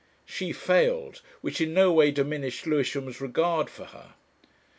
She failed, which in no way diminished Lewisham's regard for her.